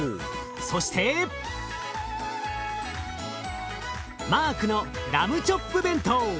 そしてマークのラムチョップ弁当。